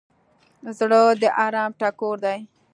زړه د ارام ټکور دی.